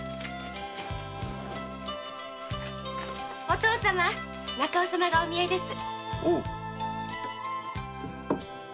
お父様中尾様がお見えです。